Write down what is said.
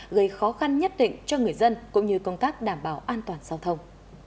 gây khó khăn nhất định cho người dân cũng như công tác đảm bảo an toàn giao thông